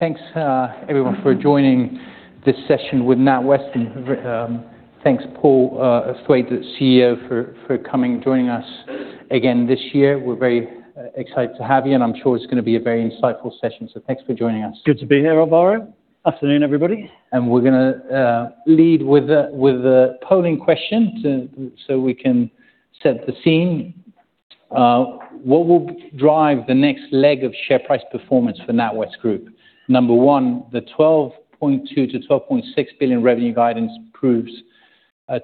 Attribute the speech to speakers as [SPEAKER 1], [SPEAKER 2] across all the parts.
[SPEAKER 1] Great. Thanks, everyone for joining this session with NatWest. Thanks, Paul Thwaite, CEO, for coming and joining us again this year. We're very excited to have you, and I'm sure it's gonna be a very insightful session, so thanks for joining us.
[SPEAKER 2] Good to be here, Alvaro. Afternoon, everybody.
[SPEAKER 1] We're gonna lead with a polling question so we can set the scene. What will drive the next leg of share price performance for NatWest Group? Number one, the 12.2 billion-12.6 billion revenue guidance proves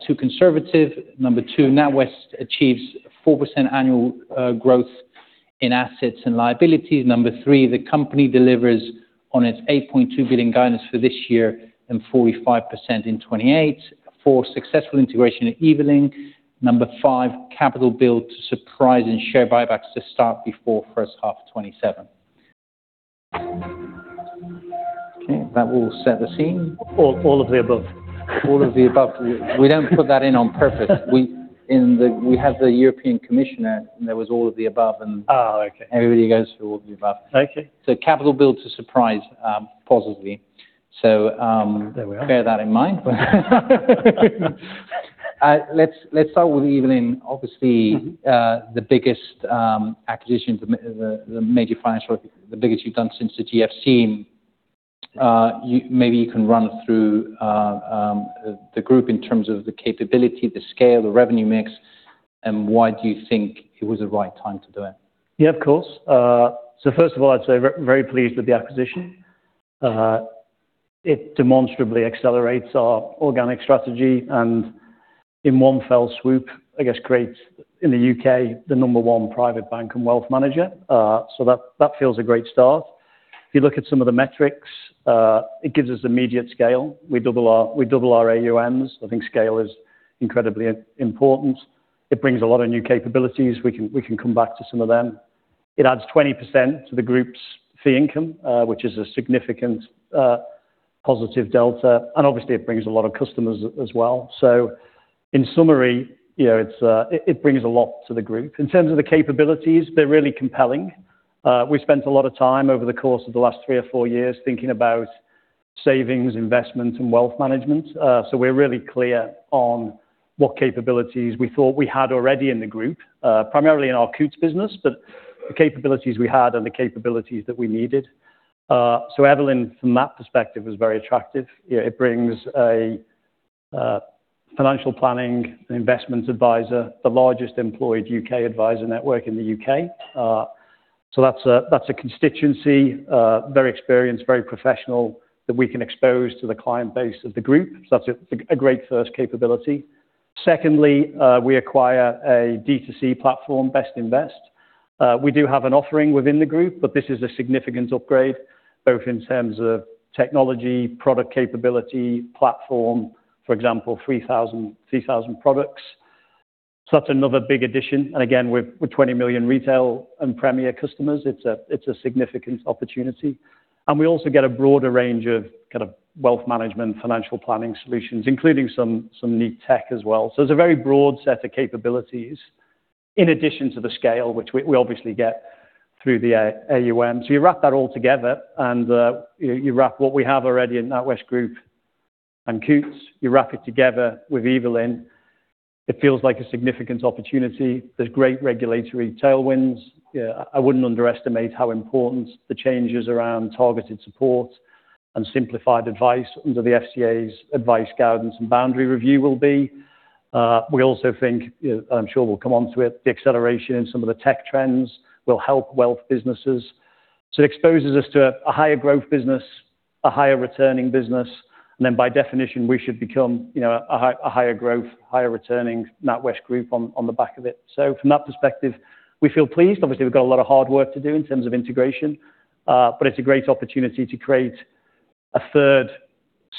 [SPEAKER 1] too conservative. Number two, NatWest achieves 4% annual growth in assets and liabilities. Number three, the company delivers on its 8.2 billion guidance for this year and 45% in 2028. Four, successful integration at Evelyn. Number five, capital build to surprise and share buybacks to start before first half of 2027. Okay, that will set the scene.
[SPEAKER 2] All of the above.
[SPEAKER 1] All of the above. We don't put that in on purpose. We have the European Commission, and there was all of the above and-
[SPEAKER 2] Oh, okay.
[SPEAKER 1] Everybody goes for all of the above.
[SPEAKER 2] Okay.
[SPEAKER 1] Capital build to surprise positively.
[SPEAKER 2] There we are.
[SPEAKER 1] Bear that in mind. Let's start with Evelyn, obviously.
[SPEAKER 2] Mm-hmm
[SPEAKER 1] The biggest acquisition, the major financial, the biggest you've done since the GFC. Maybe you can run through the group in terms of the capability, the scale, the revenue mix, and why do you think it was the right time to do it?
[SPEAKER 2] Yeah, of course. First of all, I'd say very, very pleased with the acquisition. It demonstrably accelerates our organic strategy and in one fell swoop, I guess, creates in the U.K. the number one private bank and wealth manager. That feels a great start. If you look at some of the metrics, it gives us immediate scale. We double our AUMs. I think scale is incredibly important. It brings a lot of new capabilities. We can come back to some of them. It adds 20% to the group's fee income, which is a significant positive delta, and obviously it brings a lot of customers as well. In summary, you know, it brings a lot to the group. In terms of the capabilities, they're really compelling. We spent a lot of time over the course of the last three or four years thinking about savings, investment, and wealth management. We're really clear on what capabilities we thought we had already in the group, primarily in our Coutts business, but the capabilities we had and the capabilities that we needed. Evelyn Partners from that perspective was very attractive. You know, it brings a financial planning investment advisor, the largest employed U.K. advisor network in the U.K.. That's a constituency, very experienced, very professional that we can expose to the client base of the group. That's a great first capability. Secondly, we acquire a D2C platform, Bestinvest. We do have an offering within the group, but this is a significant upgrade both in terms of technology, product capability, platform, for example, 3,000 products. That's another big addition. Again, with 20 million retail and premier customers, it's a significant opportunity. We also get a broader range of kind of wealth management, financial planning solutions, including some neat tech as well. It's a very broad set of capabilities in addition to the scale, which we obviously get through the AUM. You wrap that all together and you wrap what we have already in NatWest Group and Coutts, you wrap it together with Evelyn. It feels like a significant opportunity. There's great regulatory tailwinds. Yeah, I wouldn't underestimate how important the changes around Targeted Support and Simplified Advice under the FCA's Advice Guidance Boundary Review will be. We also think, you know, I'm sure we'll come on to it, the acceleration in some of the tech trends will help wealth businesses. It exposes us to a higher growth business, a higher returning business, and then by definition, we should become, you know, a higher growth, higher returning NatWest Group on the back of it. From that perspective, we feel pleased. Obviously, we've got a lot of hard work to do in terms of integration, but it's a great opportunity to create a third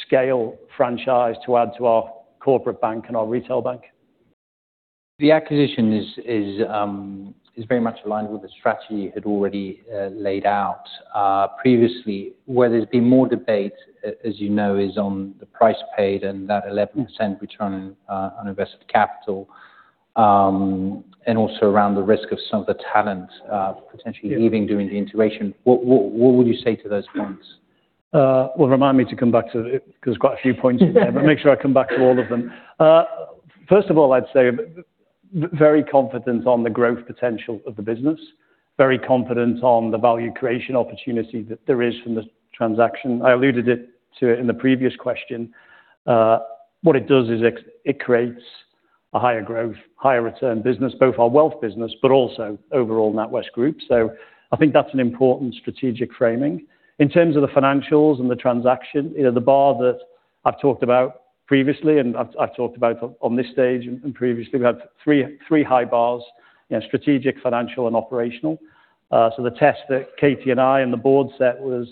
[SPEAKER 2] scale franchise to add to our corporate bank and our retail bank.
[SPEAKER 1] The acquisition is very much aligned with the strategy you had already laid out previously. Where there's been more debate, as you know, is on the price paid and that 11% return on invested capital, and also around the risk of some of the talent potentially leaving during the integration. What would you say to those points?
[SPEAKER 2] Well, remind me to come back to it 'cause quite a few points in there. Make sure I come back to all of them. First of all, I'd say very confident on the growth potential of the business, very confident on the value creation opportunity that there is from this transaction. I alluded it to it in the previous question. What it does is it creates a higher growth, higher return business, both our wealth business, but also overall NatWest Group. I think that's an important strategic framing. In terms of the financials and the transaction, you know, the bar that I've talked about previously, and I've talked about on this stage and previously, we had three high bars, you know, strategic, financial, and operational. The test that Katie and I and the board set was,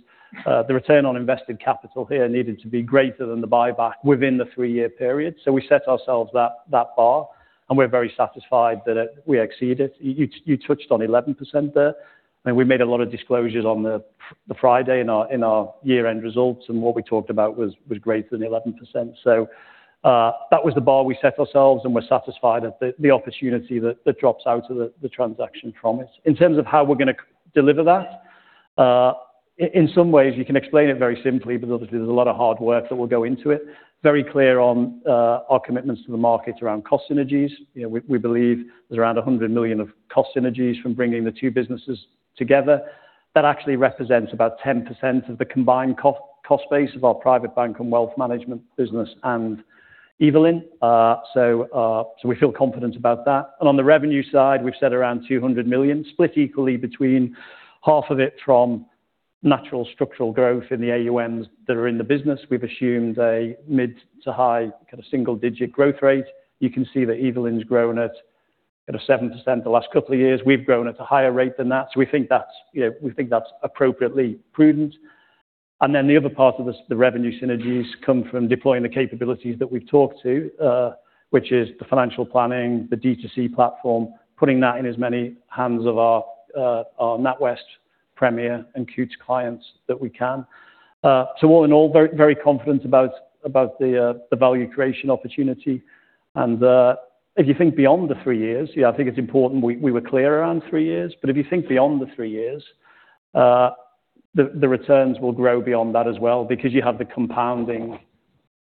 [SPEAKER 2] the Return on Invested Capital here needed to be greater than the buyback within the three-year period. We set ourselves that bar, and we're very satisfied that we exceed it. You touched on 11% there. I mean, we made a lot of disclosures on the Friday in our year-end results, and what we talked about was greater than 11%. That was the bar we set ourselves, and we're satisfied at the opportunity that drops out of the transaction promise. In terms of how we're gonna deliver that. In some ways you can explain it very simply, but obviously there's a lot of hard work that will go into it. Very clear on our commitments to the market around cost synergies. You know, we believe there's around 100 million of cost synergies from bringing the two businesses together. That actually represents about 10% of the combined cost base of our private bank and wealth management business and Evelyn. We feel confident about that. On the revenue side, we've said around 200 million split equally between half of it from natural structural growth in the AUMs that are in the business. We've assumed a mid to high kind of single-digit growth rate. You can see that Evelyn's grown at kind of 7% the last couple of years. We've grown at a higher rate than that. We think that's, you know, appropriately prudent. The other part of this, the revenue synergies come from deploying the capabilities that we've talked about, which is the financial planning, the D2C platform, putting that in as many hands of our NatWest Premier and Coutts clients that we can. All in all, very, very confident about the value creation opportunity. If you think beyond the three years, yeah, I think it's important we were clear around three years, but if you think beyond the three years, the returns will grow beyond that as well because you have the compounding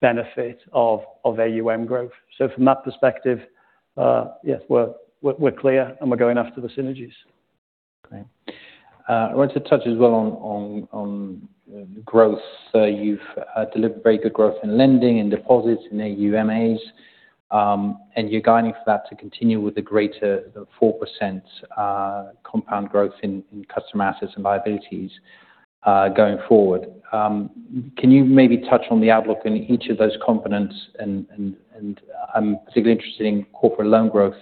[SPEAKER 2] benefit of AUM growth. From that perspective, yes, we're clear, and we're going after the synergies.
[SPEAKER 1] Great. I wanted to touch as well on growth. You've delivered very good growth in lending and deposits in AUMA, and you're guiding for that to continue with a greater than 4% compound growth in customer assets and liabilities going forward. Can you maybe touch on the outlook in each of those components? I'm particularly interested in corporate loan growth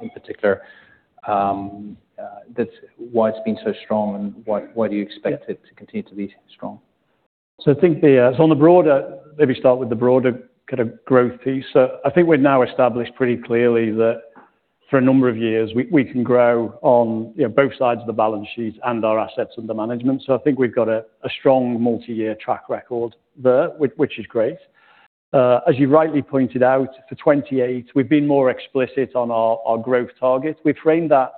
[SPEAKER 1] in particular. That's why it's been so strong and why do you expect it to continue to be strong?
[SPEAKER 2] I think on the broader, maybe start with the broader kind of growth piece. I think we've now established pretty clearly that for a number of years, we can grow, you know, on both sides of the balance sheet and our assets under management. I think we've got a strong multi-year track record there, which is great. As you rightly pointed out, for 2028, we've been more explicit on our growth targets. We've framed that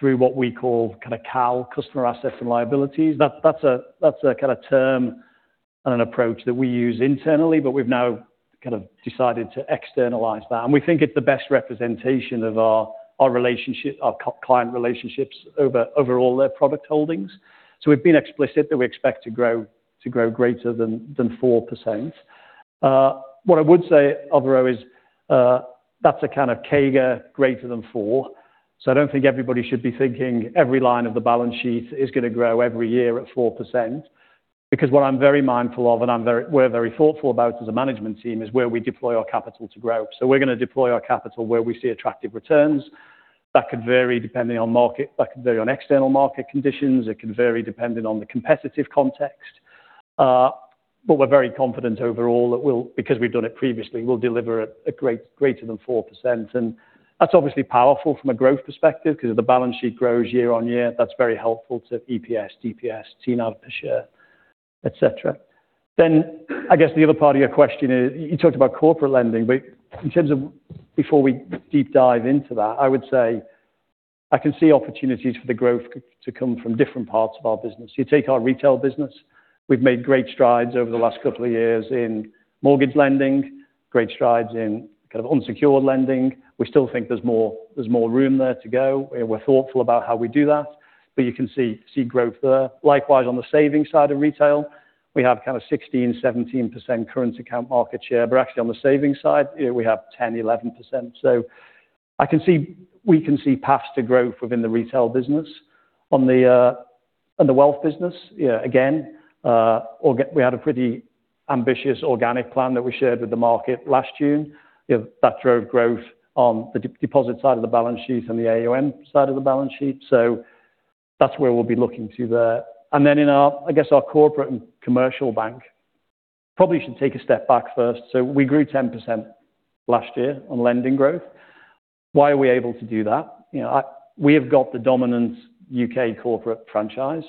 [SPEAKER 2] through what we call kind of CAL, customer assets and liabilities. That's a kind of term and an approach that we use internally, but we've now kind of decided to externalize that. We think it's the best representation of our relationship, our client relationships over all their product holdings. We've been explicit that we expect to grow greater than 4%. What I would say overall is, that's a kind of CAGR greater than 4%. I don't think everybody should be thinking every line of the balance sheet is gonna grow every year at 4%. Because what I'm very mindful of, and we're very thoughtful about as a management team, is where we deploy our capital to grow. We're gonna deploy our capital where we see attractive returns. That could vary depending on market. That could vary on external market conditions. It can vary depending on the competitive context. But we're very confident overall that, because we've done it previously, we'll deliver greater than 4%. That's obviously powerful from a growth perspective 'cause if the balance sheet grows year-on-year, that's very helpful to EPS, DPS, TNAV per share, etc. I guess the other part of your question is, you talked about corporate lending, but in terms of before we deep dive into that, I would say I can see opportunities for the growth to come from different parts of our business. You take our retail business, we've made great strides over the last couple of years in mortgage lending, great strides in kind of unsecured lending. We still think there's more room there to go. We're thoughtful about how we do that. You can see growth there. Likewise, on the savings side of retail, we have kind of 16%-17% current account market share. Actually on the savings side, you know, we have 10%-11%. We can see paths to growth within the retail business. On the wealth business, yeah, again, we had a pretty ambitious organic plan that we shared with the market last June. You know, that drove growth on the deposit side of the balance sheet and the AUM side of the balance sheet. That's where we'll be looking to there. In our, I guess our corporate and commercial bank, probably should take a step back first. We grew 10% last year on lending growth. Why are we able to do that? You know, we have got the dominant U.K. corporate franchise,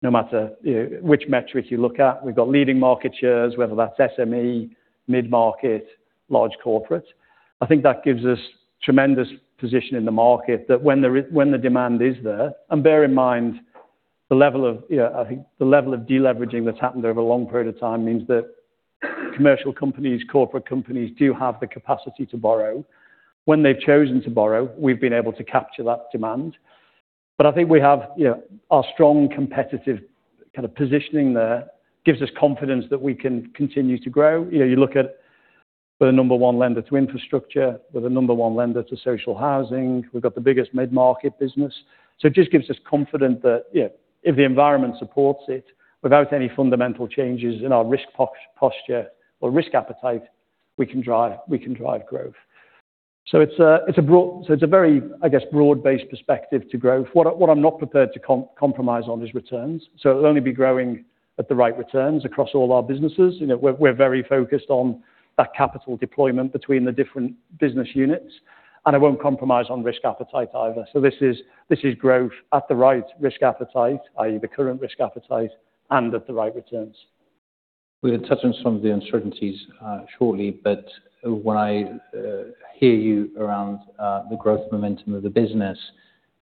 [SPEAKER 2] no matter, you know, which metric you look at. We've got leading market shares, whether that's SME, mid-market, large corporate. I think that gives us tremendous position in the market that when the demand is there, and bear in mind the level of, you know, I think the level of deleveraging that's happened over a long period of time means that commercial companies, corporate companies do have the capacity to borrow. When they've chosen to borrow, we've been able to capture that demand. I think we have, you know, our strong competitive kind of positioning there gives us confidence that we can continue to grow. You know, you look at we're the number one lender to infrastructure. We're the number one lender to social housing. We've got the biggest mid-market business. It just gives us confidence that, you know, if the environment supports it without any fundamental changes in our risk posture or risk appetite, we can drive growth. It's a very, I guess, broad-based perspective to growth. What I'm not prepared to compromise on is returns. It'll only be growing at the right returns across all our businesses. You know, we're very focused on that capital deployment between the different business units, and I won't compromise on risk appetite either. This is growth at the right risk appetite, i.e. the current risk appetite and at the right returns.
[SPEAKER 1] We'll touch on some of the uncertainties shortly, but when I hear you around the growth momentum of the business,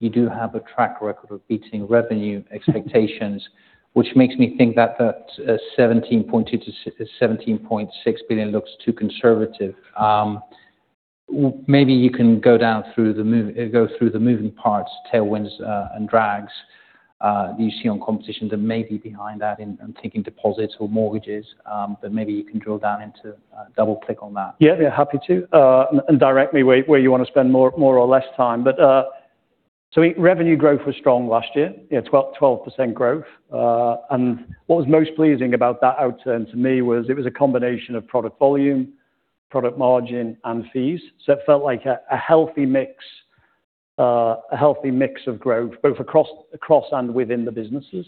[SPEAKER 1] you do have a track record of beating revenue expectations, which makes me think that 17.2 billion-17.6 billion looks too conservative. Maybe you can go through the moving parts, tailwinds, and drags you see on competition that may be behind that. I'm thinking deposits or mortgages, but maybe you can drill down into double click on that.
[SPEAKER 2] Yeah. Yeah. Happy to. Direct me where you wanna spend more or less time. Revenue growth was strong last year. 12% growth. What was most pleasing about that outturn to me was it was a combination of product volume, product margin and fees. It felt like a healthy mix of growth both across and within the businesses.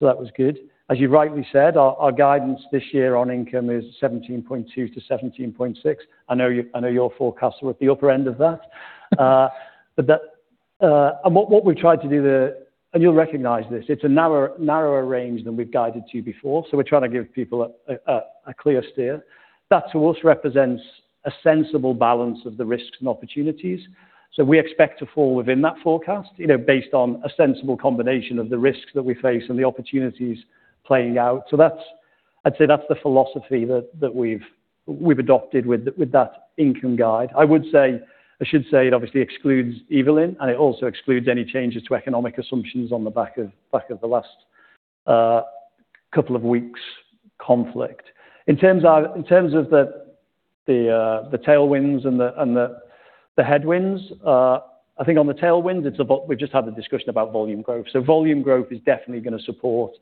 [SPEAKER 2] That was good. As you rightly said, our guidance this year on income is 17.2-17.6. I know your forecasts are at the upper end of that. what we've tried to do there, and you'll recognize this, it's a narrower range than we've guided to before, so we're trying to give people a clear steer. That to us represents a sensible balance of the risks and opportunities. We expect to fall within that forecast, you know, based on a sensible combination of the risks that we face and the opportunities playing out. That's the philosophy that we've adopted with that income guide. I should say it obviously excludes Evelyn, and it also excludes any changes to economic assumptions on the back of the last couple of weeks conflict. In terms of the tailwinds and the headwinds, I think on the tailwinds, it's volume growth. We've just had the discussion about volume growth. Volume growth is definitely gonna support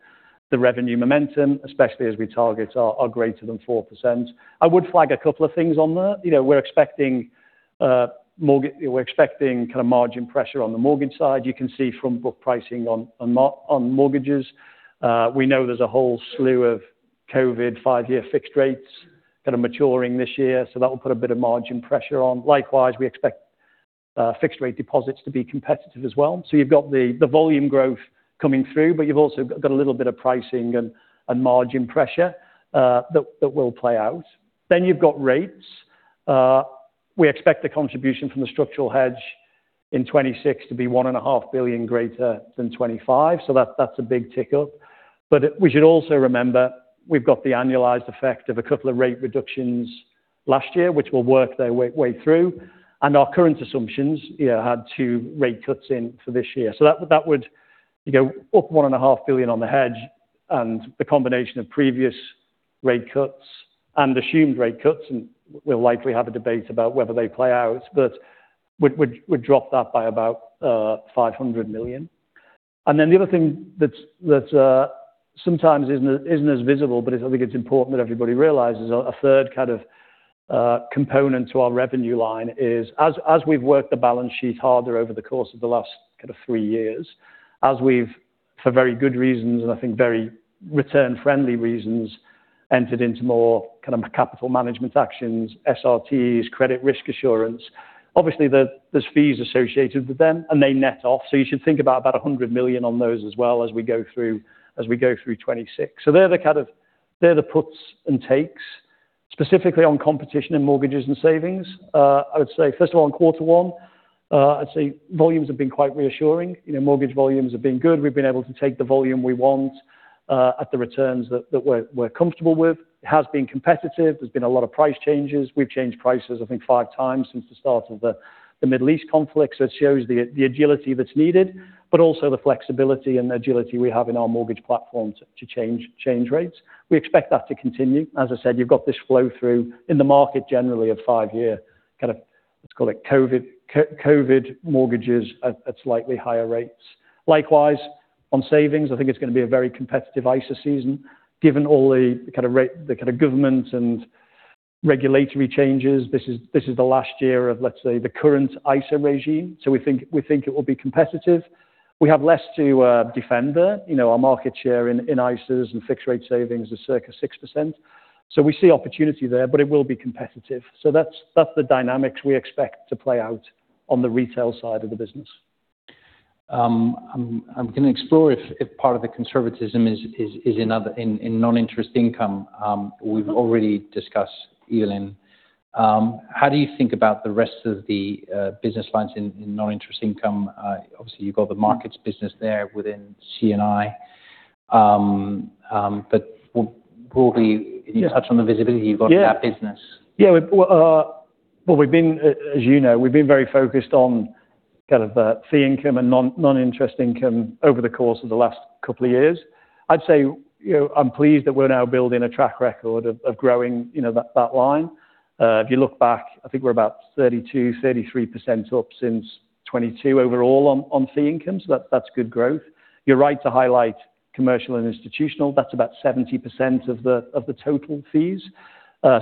[SPEAKER 2] the revenue momentum, especially as we target our greater than 4%. I would flag a couple of things on that. You know, we're expecting kind of margin pressure on the mortgage side. You can see from book pricing on mortgages. We know there's a whole slew of COVID five-year fixed rates kind of maturing this year, so that will put a bit of margin pressure on. Likewise, we expect fixed rate deposits to be competitive as well. You've got the volume growth coming through, but you've also got a little bit of pricing and margin pressure that will play out. You've got rates. We expect the contribution from the structural hedge in 2026 to be 1.5 billion greater than 2025, so that's a big tick up. We should also remember, we've got the annualized effect of a couple of rate reductions last year, which will work their way through. Our current assumptions, you know, had two rate cuts in for this year. That would, you know, up 1.5 billion on the hedge and the combination of previous rate cuts and assumed rate cuts, and we'll likely have a debate about whether they play out, but would drop that by about 500 million. Then the other thing that's sometimes isn't as visible, but I think it's important that everybody realizes a third kind of component to our revenue line is as we've worked the balance sheet harder over the course of the last kind of three years, as we've, for very good reasons, and I think very return friendly reasons, entered into more kind of capital management actions, SRTs, credit risk insurance. Obviously, there's fees associated with them and they net off. You should think about about 100 million on those as well as we go through 2026. They're the kind of they're the puts and takes. Specifically on competition in mortgages and savings, I would say first of all, in quarter one, I'd say volumes have been quite reassuring. You know, mortgage volumes have been good. We've been able to take the volume we want at the returns that we're comfortable with. It has been competitive. There's been a lot of price changes. We've changed prices I think five times since the start of the Middle East conflict. It shows the agility that's needed, but also the flexibility and agility we have in our mortgage platforms to change rates. We expect that to continue. As I said, you've got this flow through in the market generally of five-year kind of, let's call it COVID mortgages at slightly higher rates. Likewise, on savings, I think it's gonna be a very competitive ISA season, given all the kind of government and regulatory changes. This is the last year of, let's say, the current ISA regime. We think it will be competitive. We have less to defend there. You know, our market share in ISAs and fixed rate savings is circa 6%. We see opportunity there, but it will be competitive. That's the dynamics we expect to play out on the retail side of the business.
[SPEAKER 1] I'm gonna explore if part of the conservatism is in non-interest income. We've already discussed Evelyn. How do you think about the rest of the business lines in non-interest income? Obviously, you've got the markets business there within C&I, but will you touch on the visibility you've got for that business?
[SPEAKER 2] Yeah. We've been, as you know, very focused on kind of fee income and non-interest income over the course of the last couple of years. I'd say, you know, I'm pleased that we're now building a track record of growing, you know, that line. If you look back, I think we're about 32%-33% up since 2022 overall on fee income. So that's good growth. You're right to highlight commercial and institutional. That's about 70% of the total fees.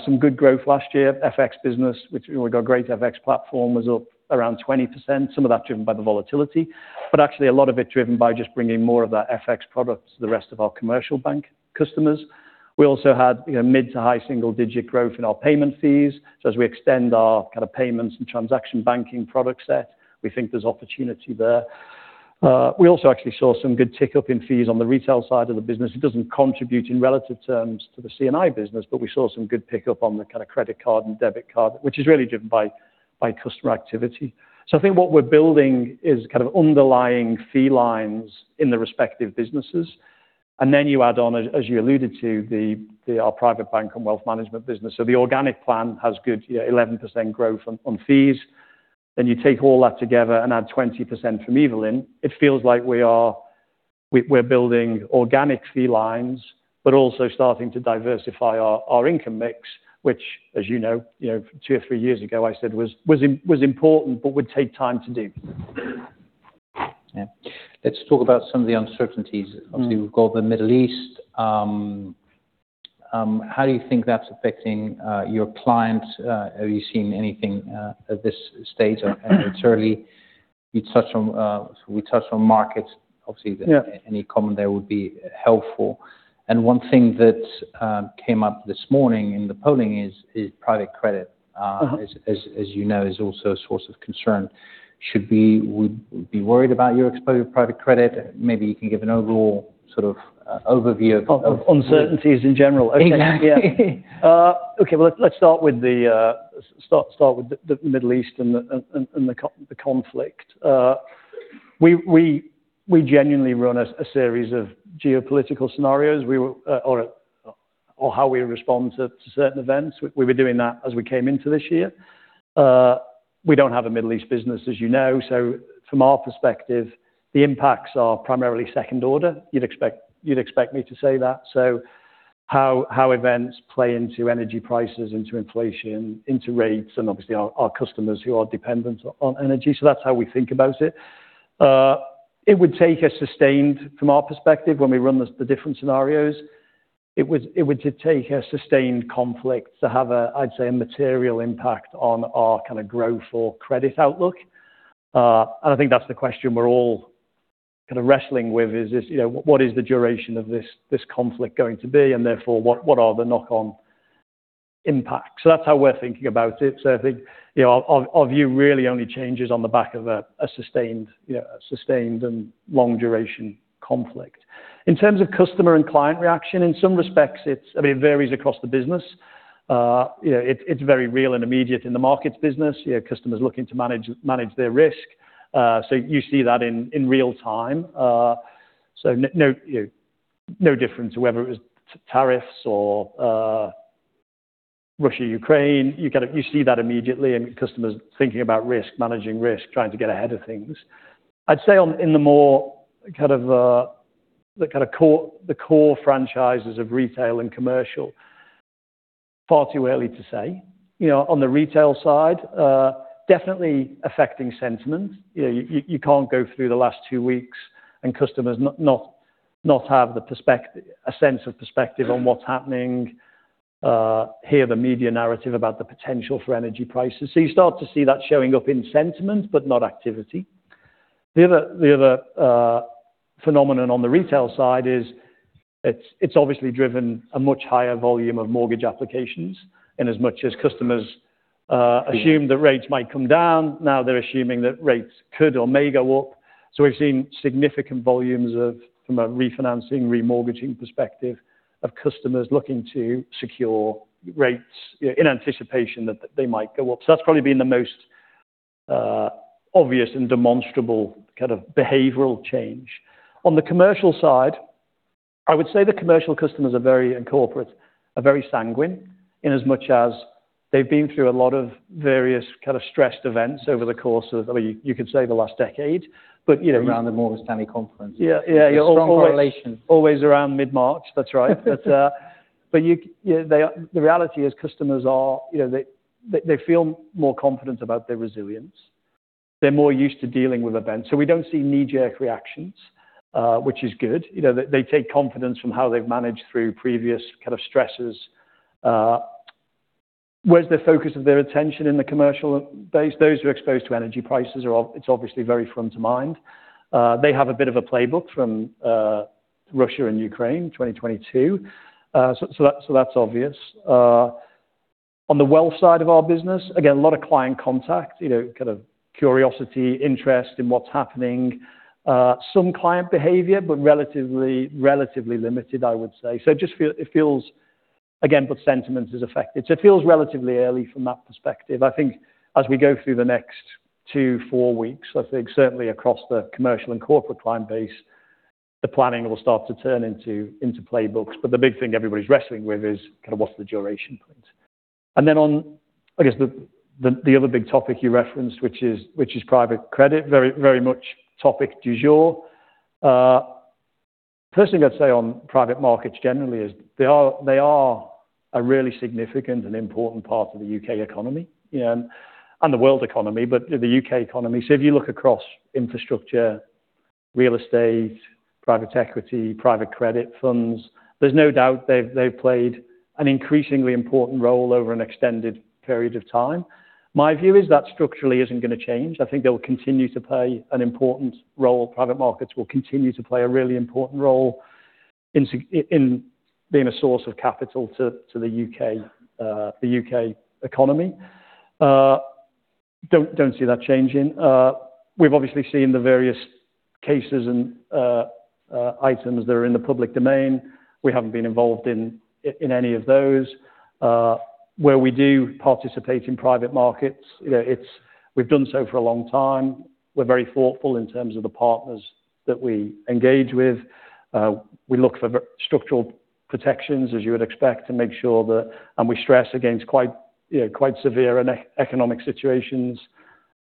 [SPEAKER 2] Some good growth last year. FX business, which we've got a great FX platform, was up around 20%, some of that driven by the volatility, but actually a lot of it driven by just bringing more of that FX products to the rest of our commercial bank customers. We also had, you know, mid- to high single-digit growth in our payment fees. As we extend our kind of payments and transaction banking product set, we think there's opportunity there. We also actually saw some good pick up in fees on the retail side of the business. It doesn't contribute in relative terms to the C&I business, but we saw some good pick up on the kind of credit card and debit card, which is really driven by customer activity. I think what we're building is kind of underlying fee lines in the respective businesses. You add on, as you alluded to our private bank and wealth management business. The organic plan has good 11% growth on fees. You take all that together and add 20% from Evelyn. It feels like we're building organic fee lines, but also starting to diversify our income mix, which as you know, you know two or three years ago I said was important, but would take time to do.
[SPEAKER 1] Yeah. Let's talk about some of the uncertainties.
[SPEAKER 2] Mm.
[SPEAKER 1] Obviously, we've got the Middle East. How do you think that's affecting your clients? Are you seeing anything at this stage? It's early. We touched on markets, obviously.
[SPEAKER 2] Yeah.
[SPEAKER 1] Any comment there would be helpful. One thing that came up this morning in the polling is private credit.
[SPEAKER 2] Uh-huh.
[SPEAKER 1] As you know, is also a source of concern. Should we be worried about your exposure to private credit? Maybe you can give an overall sort of overview of
[SPEAKER 2] Of uncertainties in general. Okay.
[SPEAKER 1] Exactly.
[SPEAKER 2] Yeah. Well, let's start with the Middle East and the conflict. We genuinely run a series of geopolitical scenarios, how we respond to certain events. We were doing that as we came into this year. We don't have a Middle East business, as you know. From our perspective, the impacts are primarily second-order. You'd expect me to say that. How events play into energy prices, into inflation, into rates, and obviously our customers who are dependent on energy. That's how we think about it. It would take a sustained, from our perspective, when we run the different scenarios, it would take a sustained conflict to have a, I'd say, a material impact on our kind of growth or credit outlook. I think that's the question we're all kind of wrestling with is this, you know, what is the duration of this conflict going to be, and therefore, what are the knock on impacts. That's how we're thinking about it. I think, you know, our view really only changes on the back of a sustained, you know, a sustained and long duration conflict. In terms of customer and client reaction, in some respects it's. I mean, it varies across the business. You know, it's very real and immediate in the markets business. You know, customers looking to manage their risk. You see that in real time. No, you know, no different to whether it was tariffs or Russia-Ukraine. You kind of see that immediately and customers thinking about risk, managing risk, trying to get ahead of things. I'd say in the more kind of core franchises of retail and commercial, far too early to say. You know, on the retail side, definitely affecting sentiment. You know, you can't go through the last two weeks and customers not have a sense of perspective on what's happening. You hear the media narrative about the potential for energy prices. You start to see that showing up in sentiment, but not activity. The other phenomenon on the retail side is it's obviously driven a much higher volume of mortgage applications. In as much as customers assume that rates might come down, now they're assuming that rates could or may go up. We've seen significant volumes of, from a refinancing, remortgaging perspective of customers looking to secure rates in anticipation that they might go up. That's probably been the most obvious and demonstrable kind of behavioral change. On the commercial side, I would say the commercial customers are very sanguine in as much as they've been through a lot of various kind of stressed events over the course of, I mean you could say the last decade, but you know.
[SPEAKER 1] Around the Morgan Stanley conference.
[SPEAKER 2] Yeah. Yeah.
[SPEAKER 1] Strong correlation.
[SPEAKER 2] Always around mid-March. That's right. The reality is customers are, you know, they feel more confident about their resilience. They're more used to dealing with events. We don't see knee-jerk reactions, which is good. They take confidence from how they've managed through previous kind of stresses. Where's the focus of their attention in the commercial base? Those who are exposed to energy prices are obviously very front of mind. They have a bit of a playbook from Russia and Ukraine 2022. That's obvious. On the wealth side of our business, again, a lot of client contact, kind of curiosity, interest in what's happening. Some client behavior, but relatively limited, I would say. It feels, but sentiment is affected. It feels relatively early from that perspective. I think as we go through the next 2-4 weeks, I think certainly across the commercial and corporate client base, the planning will start to turn into playbooks. The big thing everybody's wrestling with is kind of what's the duration point. Then on, I guess the other big topic you referenced, which is private credit, very much topic du jour. Personally, I'd say on private markets generally is they are a really significant and important part of the U.K. economy, you know, and the world economy, but the U.K. economy. If you look across infrastructure, real estate, private equity, private credit funds, there's no doubt they've played an increasingly important role over an extended period of time. My view is that structurally isn't gonna change. I think they'll continue to play an important role. Private markets will continue to play a really important role. In being a source of capital to the U.K. economy. Don't see that changing. We've obviously seen the various cases and items that are in the public domain. We haven't been involved in any of those. Where we do participate in private markets, you know, it's we've done so for a long time. We're very thoughtful in terms of the partners that we engage with. We look for structural protections, as you would expect, to make sure that. We stress against quite, you know, quite severe economic situations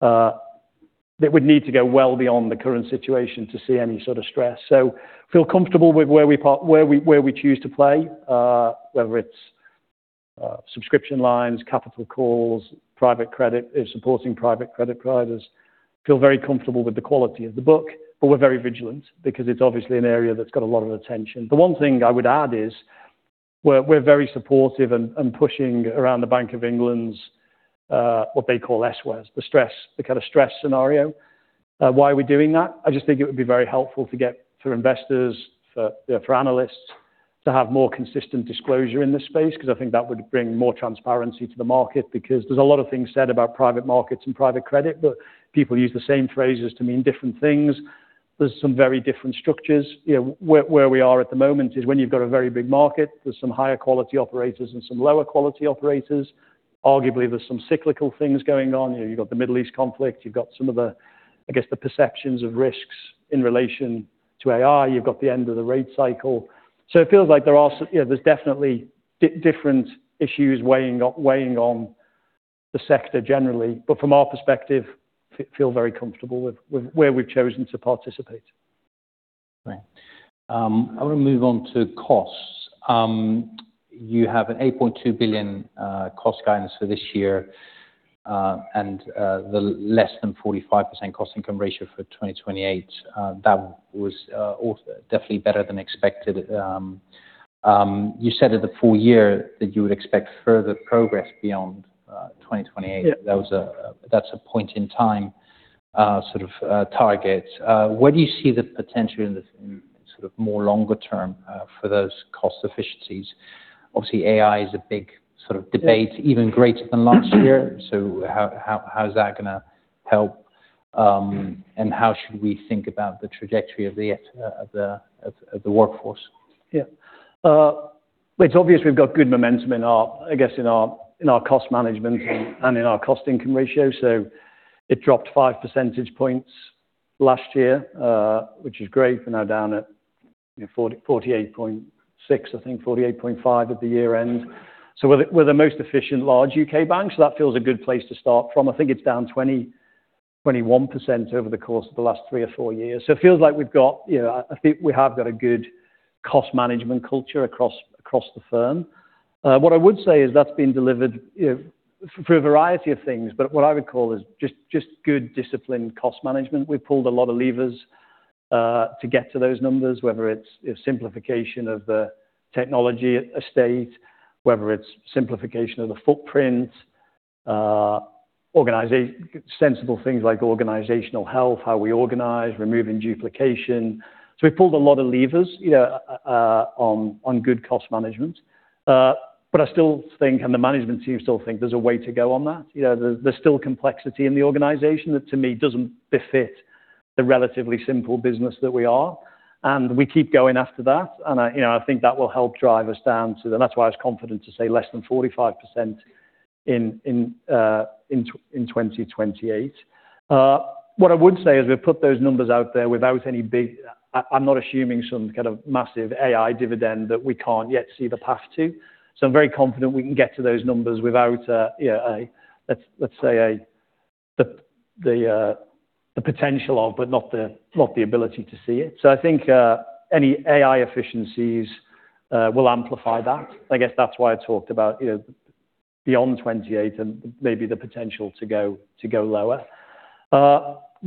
[SPEAKER 2] that would need to go well beyond the current situation to see any sort of stress. Feel comfortable with where we choose to play, subscription lines, capital calls, private credit, supporting private credit providers. Feel very comfortable with the quality of the book, but we're very vigilant because it's obviously an area that's got a lot of attention. The one thing I would add is we're very supportive and pushing around the Bank of England's what they call SWES, the stress, the kind of stress scenario. Why are we doing that? I just think it would be very helpful to get for investors, for analysts to have more consistent disclosure in this space, because I think that would bring more transparency to the market, because there's a lot of things said about private markets and private credit, but people use the same phrases to mean different things. There's some very different structures. You know, where we are at the moment is when you've got a very big market, there's some higher quality operators and some lower quality operators. Arguably, there's some cyclical things going on. You know, you've got the Middle East conflict, you've got some of the, I guess, the perceptions of risks in relation to AI. You've got the end of the rate cycle. It feels like you know, there's definitely different issues weighing on the sector generally. From our perspective, feel very comfortable with where we've chosen to participate.
[SPEAKER 1] Right. I wanna move on to costs. You have a 8.2 billion cost guidance for this year, and the less than 45% cost income ratio for 2028. That was definitely better than expected. You said at the full year that you would expect further progress beyond 2028.
[SPEAKER 2] Yeah.
[SPEAKER 1] That's a point in time sort of target. Where do you see the potential in this in sort of more longer term for those cost efficiencies? Obviously, AI is a big sort of debate, even greater than last year. How's that gonna help? How should we think about the trajectory of the workforce?
[SPEAKER 2] Yeah. It's obvious we've got good momentum in our cost management and in our cost income ratio. It dropped 5 percentage points last year, which is great. We're now down at, you know, 48.6, I think 48.5 at the year-end. We're the most efficient large U.K. bank, so that feels a good place to start from. I think it's down 21% over the course of the last three or four years. It feels like we've got, you know, I think we have got a good cost management culture across the firm. What I would say is that's been delivered, you know, through a variety of things. What I would call is just good disciplined cost management. We pulled a lot of levers to get to those numbers, whether it's simplification of the technology estate, whether it's simplification of the footprint, sensible things like organizational health, how we organize, removing duplication. We pulled a lot of levers, you know, on good cost management. I still think, and the management team still think there's a way to go on that. You know, there's still complexity in the organization that to me, doesn't befit the relatively simple business that we are. We keep going after that. I, you know, I think that will help drive us down to. That's why I was confident to say less than 45% in 2028. What I would say is we've put those numbers out there without any big. I'm not assuming some kind of massive AI dividend that we can't yet see the path to. I'm very confident we can get to those numbers without the potential of, but not the ability to see it. I think any AI efficiencies will amplify that. I guess that's why I talked about, you know, beyond 28 and maybe the potential to go lower.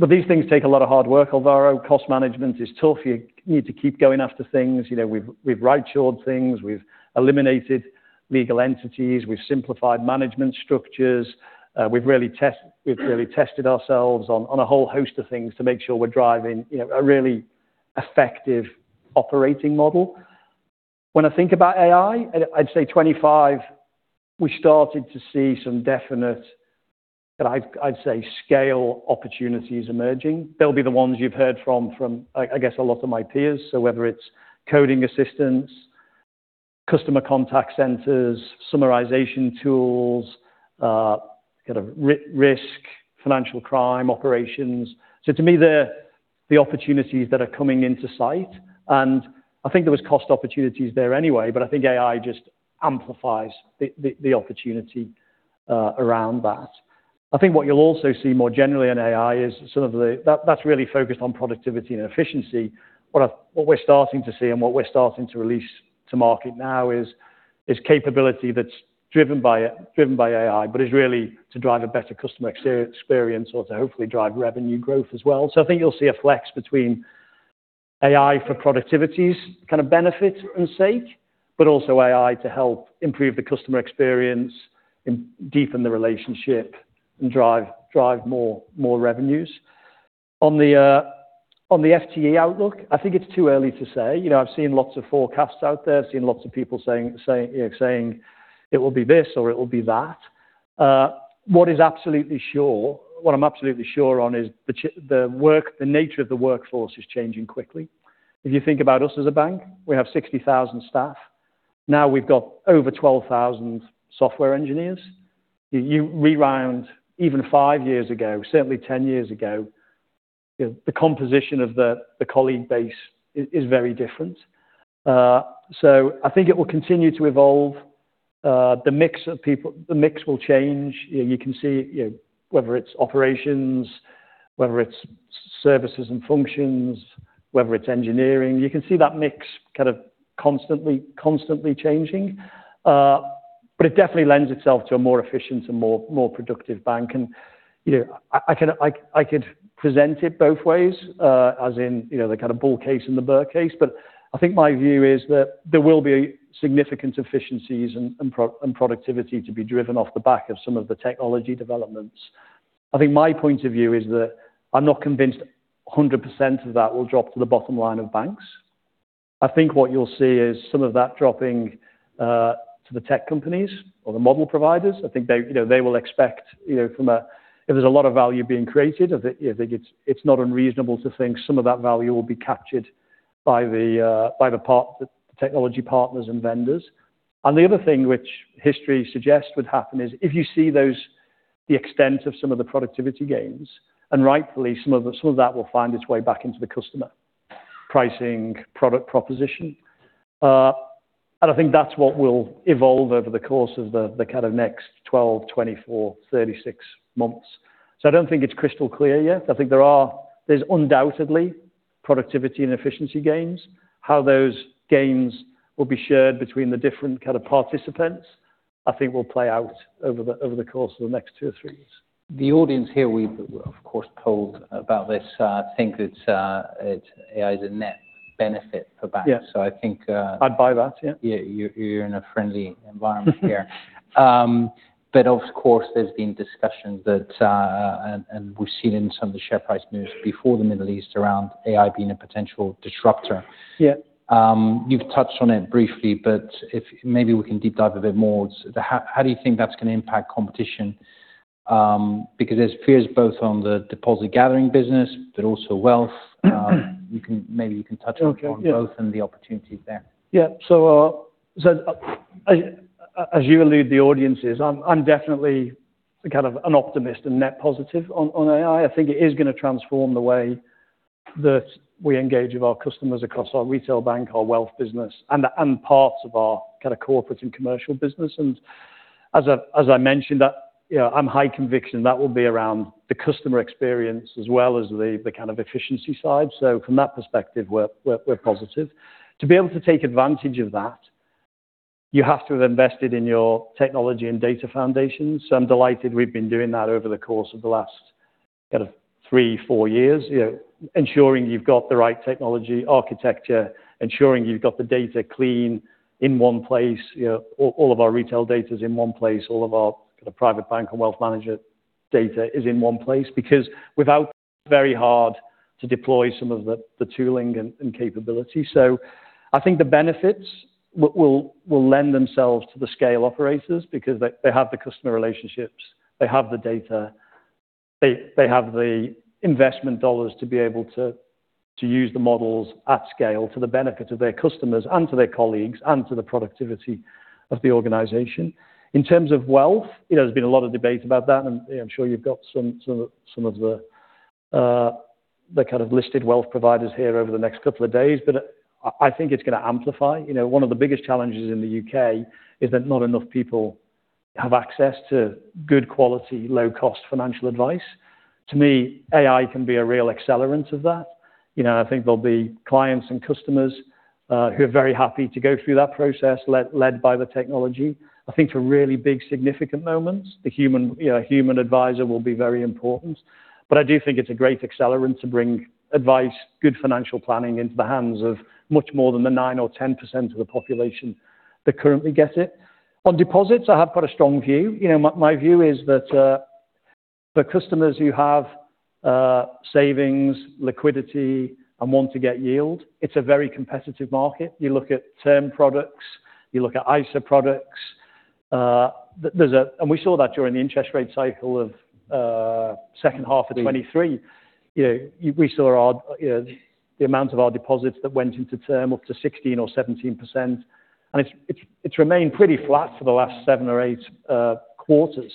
[SPEAKER 2] These things take a lot of hard work, Alvaro. Cost management is tough. You need to keep going after things. We've right-shored things. We've eliminated legal entities. We've simplified management structures. We've really tested ourselves on a whole host of things to make sure we're driving a really effective operating model. When I think about AI, I'd say 2025, we started to see some definite that I'd say scale opportunities emerging. They'll be the ones you've heard from, I guess, a lot of my peers. Whether it's coding assistants, customer contact centers, summarization tools, kind of risk, financial crime operations. To me, they're the opportunities that are coming into sight, and I think there was cost opportunities there anyway, but I think AI just amplifies the opportunity around that. I think what you'll also see more generally in AI is some of the that that's really focused on productivity and efficiency. What we're starting to see and what we're starting to release to market now is capability that's driven by AI, but is really to drive a better customer experience or to hopefully drive revenue growth as well. I think you'll see a flex between AI for productivity's kind of benefit and sake, but also AI to help improve the customer experience and deepen the relationship and drive more revenues. On the FTE outlook, I think it's too early to say. You know, I've seen lots of forecasts out there. I've seen lots of people saying, you know, saying it will be this or it will be that. What I'm absolutely sure on is the work, the nature of the workforce is changing quickly. If you think about us as a bank, we have 60,000 staff. Now we've got over 12,000 software engineers. You remember even five years ago, certainly ten years ago, you know, the composition of the colleague base is very different. I think it will continue to evolve. The mix of people will change. You know, you can see, you know, whether it's operations, whether it's services and functions, whether it's engineering, you can see that mix kind of constantly changing. It definitely lends itself to a more efficient and more productive bank. You know, I can, I could present it both ways, as in, you know, the kind of bull case and the bear case. I think my view is that there will be significant efficiencies and productivity to be driven off the back of some of the technology developments. I think my point of view is that I'm not convinced 100% of that will drop to the bottom line of banks. I think what you'll see is some of that dropping to the tech companies or the model providers. I think they, you know, they will expect, you know. If there's a lot of value being created, I think it's not unreasonable to think some of that value will be captured by the technology partners and vendors. The other thing which history suggests would happen is if you see those, the extent of some of the productivity gains, and rightfully some of that will find its way back into the customer pricing product proposition. I think that's what will evolve over the course of the kind of next 12, 24, 36 months. I don't think it's crystal clear yet. I think there's undoubtedly productivity and efficiency gains. How those gains will be shared between the different kind of participants, I think will play out over the course of the next 2 or three years.
[SPEAKER 1] The audience here we've of course polled about this, think it's AI's a net benefit for banks.
[SPEAKER 2] Yeah.
[SPEAKER 1] I think.
[SPEAKER 2] I'd buy that, yeah.
[SPEAKER 1] Yeah. You're in a friendly environment here. Of course, we've seen in some of the share price news before the Middle East around AI being a potential disruptor.
[SPEAKER 2] Yeah.
[SPEAKER 1] You've touched on it briefly, but if maybe we can deep dive a bit more. How do you think that's gonna impact competition? Because there's fears both on the deposit gathering business, but also wealth. Maybe you can touch on both-
[SPEAKER 2] Okay. Yeah.
[SPEAKER 1] the opportunities there.
[SPEAKER 2] Yeah, as you alluded to the audience, I'm definitely kind of an optimist and net positive on AI. I think it is gonna transform the way that we engage with our customers across our retail bank, our wealth business, and parts of our kind of corporate and commercial business. As I mentioned that, you know, I'm high conviction that will be around the customer experience as well as the kind of efficiency side. From that perspective, we're positive. To be able to take advantage of that, you have to have invested in your technology and data foundations. I'm delighted we've been doing that over the course of the last kind of three, four years. You know, ensuring you've got the right technology architecture, ensuring you've got the data clean in one place. You know, all of our retail data is in one place. All of our kind of private bank and wealth manager data is in one place. Because without it's very hard to deploy some of the tooling and capability. So I think the benefits will lend themselves to the scale operators because they have the customer relationships, they have the data, they have the investment dollars to be able to to use the models at scale to the benefit of their customers and to their colleagues and to the productivity of the organization. In terms of wealth, you know, there's been a lot of debate about that, and I'm sure you've got some of the kind of listed wealth providers here over the next couple of days. I think it's gonna amplify. You know, one of the biggest challenges in the U.K. is that not enough people have access to good quality, low-cost financial advice. To me, AI can be a real accelerant of that. You know, I think there'll be clients and customers who are very happy to go through that process led by the technology. I think for really big significant moments, the human, you know, human advisor will be very important. I do think it's a great accelerant to bring advice, good financial planning into the hands of much more than the 9% or 10% of the population that currently get it. On deposits, I have quite a strong view. You know, my view is that for customers who have savings, liquidity and want to get yield, it's a very competitive market. You look at term products, you look at ISA products. We saw that during the interest rate cycle of the second half of 2023. You know, we saw our, you know, the amount of our deposits that went into term up to 16% or 17%. It's remained pretty flat for the last seven or eight quarters.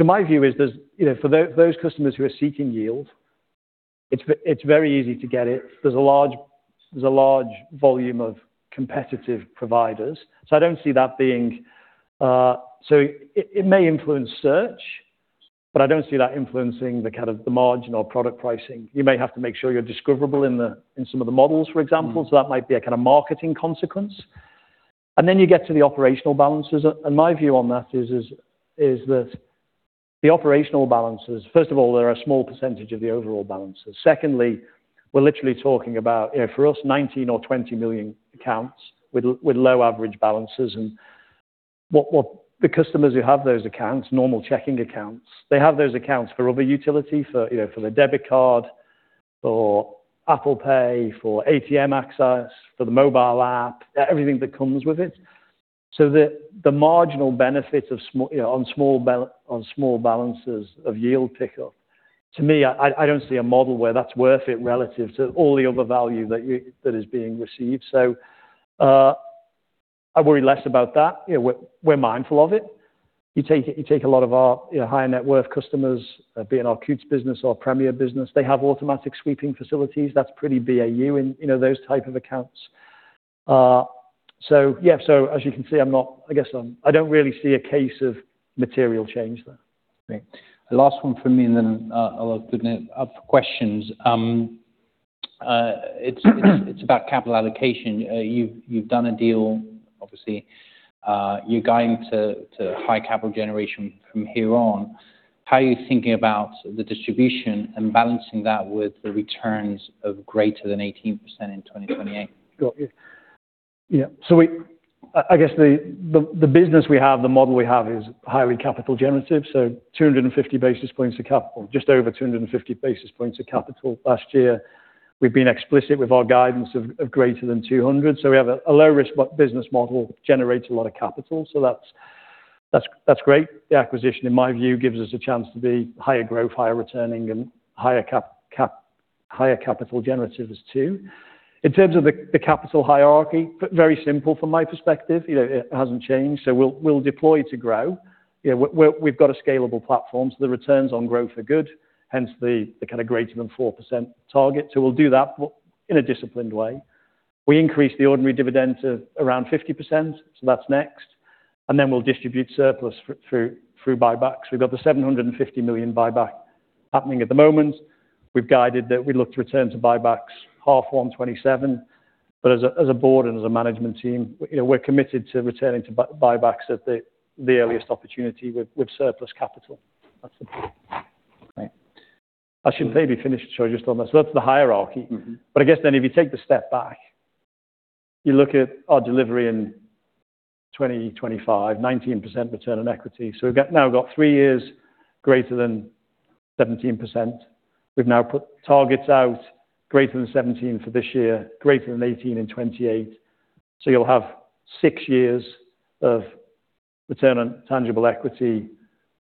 [SPEAKER 2] My view is there's, you know, for those customers who are seeking yield, it's very easy to get it. There's a large volume of competitive providers. I don't see that being. It may influence search, but I don't see that influencing the kind of margin or product pricing. You may have to make sure you're discoverable in some of the models, for example. That might be a kind of marketing consequence. Then you get to the operational balances, and my view on that is that the operational balances, first of all, they're a small percentage of the overall balances. Secondly, we're literally talking about, you know, for us, 19 or 20 million accounts with low average balances and what the customers who have those accounts, normal checking accounts, they have those accounts for other utility, you know, for their debit card or Apple Pay, for ATM access, for the mobile app, everything that comes with it. So the marginal benefit of small, you know, on small balances of yield pickup, to me, I don't see a model where that's worth it relative to all the other value that is being received. So I worry less about that. You know, we're mindful of it. You take a lot of our, you know, high net worth customers, be it in our Coutts business or Premier business, they have automatic sweeping facilities. That's pretty BAU in, you know, those type of accounts. Yeah. As you can see, I don't really see a case of material change there.
[SPEAKER 1] Great. The last one for me, and then, I'll open it up for questions. It's about capital allocation. You've done a deal, obviously. You're guiding to high capital generation from here on. How are you thinking about the distribution and balancing that with the returns of greater than 18% in 2028?
[SPEAKER 2] Got you. Yeah. I guess the business we have, the model we have is highly capital generative, so 250 basis points of capital, just over 250 basis points of capital last year. We've been explicit with our guidance of greater than 200. We have a low risk business model, generates a lot of capital. That's great. The acquisition, in my view, gives us a chance to be higher growth, higher returning, and higher capital generative as to. In terms of the capital hierarchy, very simple from my perspective. You know, it hasn't changed. We'll deploy to grow. You know, we've got a scalable platform, so the returns on growth are good, hence the kind of greater than 4% target. We'll do that in a disciplined way. We increase the ordinary dividend to around 50%, that's next. We'll distribute surplus through buybacks. We've got the 750 million buyback happening at the moment. We've guided that we look to return to buybacks Half one 2027. As a board and as a management team, you know, we're committed to returning to buybacks at the earliest opportunity with surplus capital. That's it.
[SPEAKER 1] Great.
[SPEAKER 2] I should maybe finish, so I just on this. That's the hierarchy.
[SPEAKER 1] Mm-hmm.
[SPEAKER 2] I guess then if you take the step back, you look at our delivery in 2025, 19% return on equity. We've got three years greater than 17%. We've now put targets out greater than 17% for this year, greater than 18% in 2028. You'll have six years of Return on Tangible Equity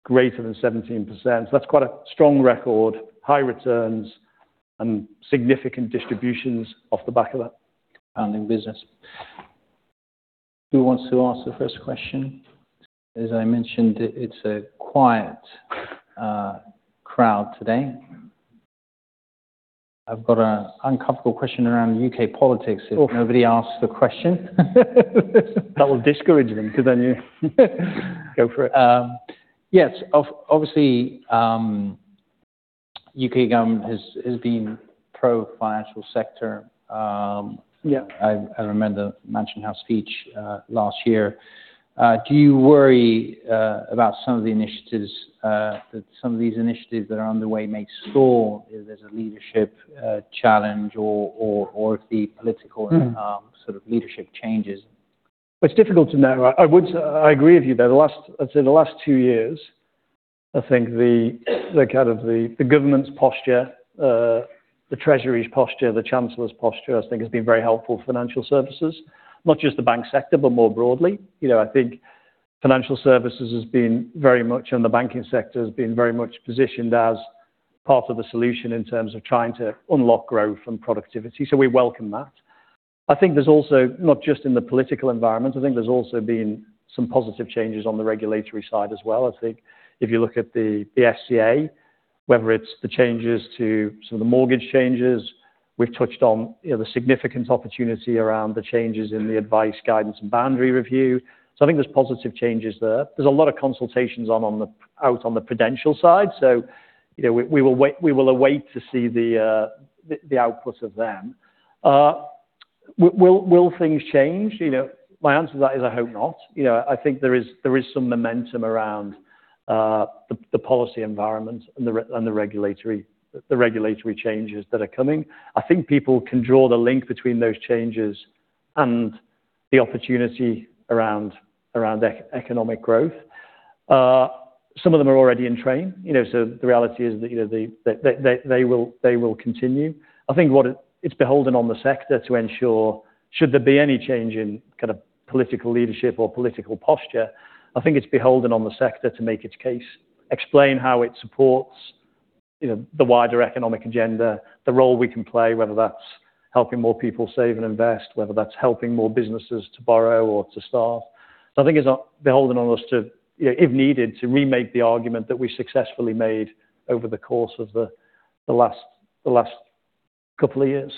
[SPEAKER 2] greater than 17%. That's quite a strong record, high returns, and significant distributions off the back of that.
[SPEAKER 1] Founding business. Who wants to ask the first question? As I mentioned, it's a quiet crowd today. I've got a uncomfortable question around U.K. politics.
[SPEAKER 2] Oh.
[SPEAKER 1] If nobody asks the question.
[SPEAKER 2] That will discourage them because then you.
[SPEAKER 1] Go for it.
[SPEAKER 2] Yes. Obviously, U.K. government has been pro-financial sector. Yeah.
[SPEAKER 1] I remember Mansion House speech last year. Do you worry about some of the initiatives that some of these initiatives that are underway may stall if there's a leadership challenge or if the political-
[SPEAKER 2] Mm.
[SPEAKER 1] sort of leadership changes?
[SPEAKER 2] It's difficult to know. I would say I agree with you there. I'd say the last two years, I think the government's posture, the treasury's posture, the chancellor's posture, I think has been very helpful for financial services, not just the bank sector, but more broadly. You know, I think financial services has been very much and the banking sector has been very much positioned as part of the solution in terms of trying to unlock growth and productivity. We welcome that. I think there's also, not just in the political environment, I think there's also been some positive changes on the regulatory side as well. I think if you look at the FCA, whether it's the changes to some of the mortgage changes, we've touched on, you know, the significant opportunity around the changes in the Advice Guidance Boundary Review. I think there's positive changes there. There's a lot of consultations out on the prudential side. You know, we will await to see the output of them. Will things change? You know, my answer to that is I hope not. You know, I think there is some momentum around the policy environment and the regulatory changes that are coming. I think people can draw the link between those changes and the opportunity around economic growth. Some of them are already in train, you know, so the reality is that, you know, they will continue. I think it's beholden on the sector to ensure should there be any change in kind of political leadership or political posture. I think it's beholden on the sector to make its case, explain how it supports, you know, the wider economic agenda, the role we can play, whether that's helping more people save and invest, whether that's helping more businesses to borrow or to staff. I think it's beholden on us to, you know, if needed, to remake the argument that we successfully made over the course of the last couple of years.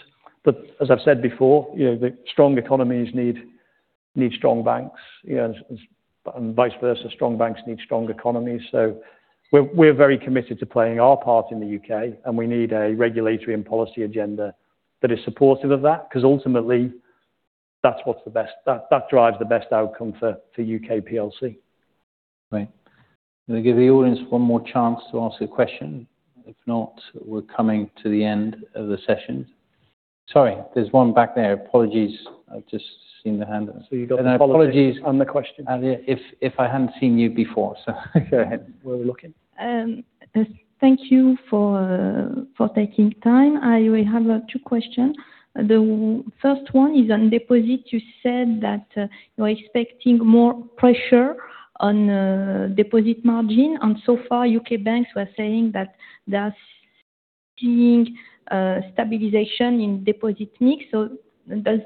[SPEAKER 2] As I've said before, you know, the strong economies need strong banks, you know, and vice versa. Strong banks need strong economies. We're very committed to playing our part in the U.K., and we need a regulatory and policy agenda that is supportive of that because ultimately that drives the best outcome for U.K. plc.
[SPEAKER 1] Right. I'm gonna give the audience one more chance to ask a question. If not, we're coming to the end of the session. Sorry, there's one back there. Apologies, I've just seen the hand.
[SPEAKER 2] You got the apology on the question.
[SPEAKER 1] Apologies if I hadn't seen you before. Go ahead.
[SPEAKER 2] We're looking.
[SPEAKER 3] Thank you for taking time. I will have two questions. The first one is on deposit. You said that you're expecting more pressure on deposit margin. So far, U.K. banks were saying that they're seeing stabilization in deposit mix. Does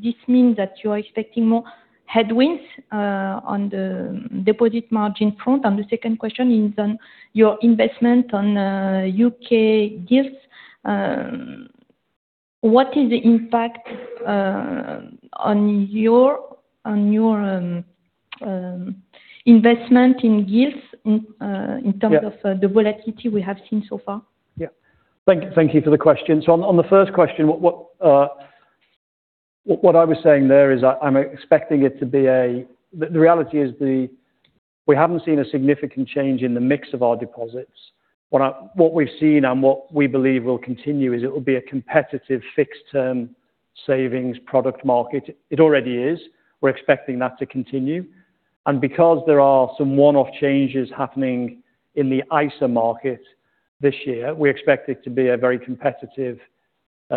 [SPEAKER 3] this mean that you are expecting more headwinds on the deposit margin front? The second question is on your investment on U.K. Gilts. What is the impact on your investment in Gilts in
[SPEAKER 2] Yeah.
[SPEAKER 3] In terms of the volatility we have seen so far?
[SPEAKER 2] Yeah. Thank you for the question. On the first question, what I was saying there is I'm expecting it to be a... The reality is we haven't seen a significant change in the mix of our deposits. What we've seen and what we believe will continue is it will be a competitive fixed-term savings product market. It already is. We're expecting that to continue. Because there are some one-off changes happening in the ISA market this year, we expect it to be a very competitive,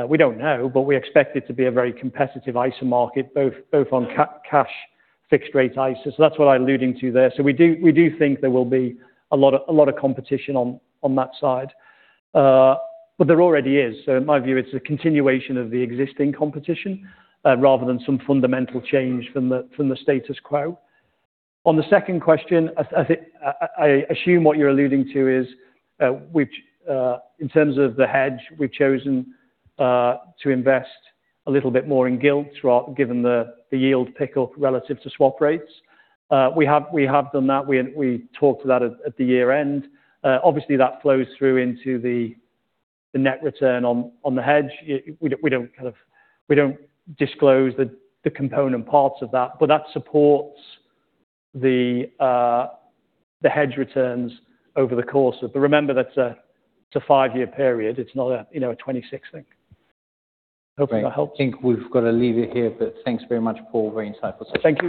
[SPEAKER 2] we don't know, but we expect it to be a very competitive ISA market, both on cash fixed rate ISA. That's what I'm alluding to there. We think there will be a lot of competition on that side. But there already is. In my view, it's a continuation of the existing competition, rather than some fundamental change from the status quo. On the second question, I assume what you're alluding to is in terms of the hedge. We've chosen to invest a little bit more in gilts rather than, given the yield pickup relative to swap rates. We have done that. We talked about that at the year-end. Obviously that flows through into the net return on the hedge. We don't disclose the component parts of that, but that supports the hedge returns. Remember, that's a five-year period. It's not, you know, a 2026 thing. Hoping that helps.
[SPEAKER 1] I think we've got to leave it here, but thanks very much, Paul. Very insightful.
[SPEAKER 2] Thank you.